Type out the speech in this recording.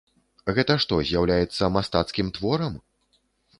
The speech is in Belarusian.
Гэта што, з'яўляецца мастацкім творам?